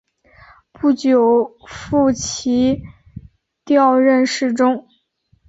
不久傅祗调任侍中。